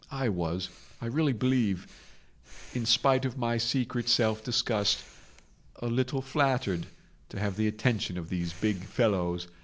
I was, I really believe, in spite of my secret self disgust, a little flattered to have the attention of these big fellows.